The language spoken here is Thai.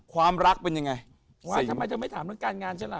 ความรักเป็นยังไงทำไมเธอไม่ถามเรื่องการงานฉันล่ะ